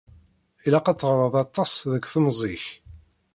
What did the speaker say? Ilaq ad teɣreḍ aṭas deg temẓi-k.